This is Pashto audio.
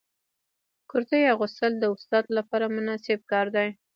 کرتۍ اغوستل د استاد لپاره مناسب کار دی.